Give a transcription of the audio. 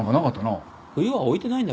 冬は置いてないんだろう。